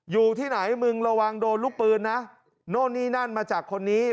อยู่ที่ไหนมึงระวังโดนลูกปืนนะโน่นนี่นั่นมาจากคนนี้